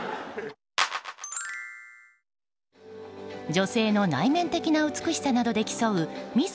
女性の内面的な美しさなどで競うミス